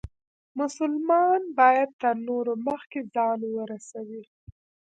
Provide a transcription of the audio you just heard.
مسلمان باید تر نورو مخکې ځان ورورسوي.